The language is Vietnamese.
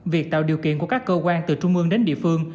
việc tạo điều kiện của các cơ quan từ trung ương đến địa phương